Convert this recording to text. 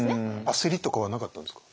焦りとかはなかったんですか？